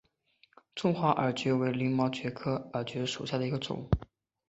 中华耳蕨为鳞毛蕨科耳蕨属下的一个种。